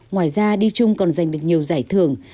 ngoài ra đi chung còn giành được nhiều giải thưởng